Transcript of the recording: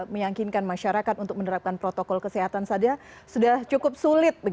meyakinkan masyarakat untuk menerapkan protokol kesehatan saja sudah cukup sulit